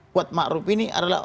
kuat makruf ini adalah